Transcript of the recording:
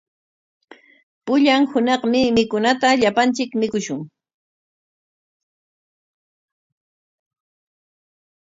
Pullan hunaqmi mikunata llapanchik mikushun.